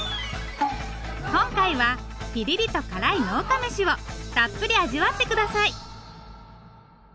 今回はピリリと辛い農家メシをたっぷり味わって下さい。